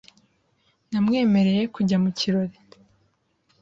Namwemereye kujya mu kirori .